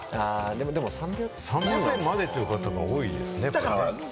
でも３００円までって方が多いですね。